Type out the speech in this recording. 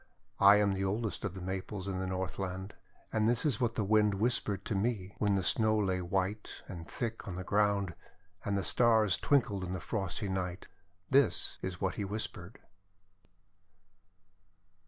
•••••••• I am the oldest of the Maples in the North land, and this is what the Wind whispered to me when the Snow lay white and thick on the ground, and the Stars twinkled in the frosty night. This is what he whispered.